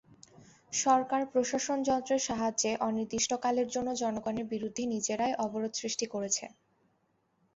সরকার প্রশাসনযন্ত্রের সাহায্যে অনির্দিষ্টকালের জন্য জনগণের বিরুদ্ধে নিজেরাই অবরোধ সৃষ্টি করেছে।